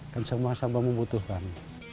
dan semua sama membutuhkan